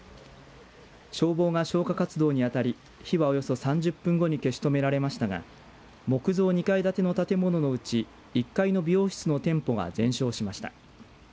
消防が消火活動にあたり火はおよそ３０分後に消し止められましたが木造２階建ての建物のうち１階の美容室の店舗が全焼しました。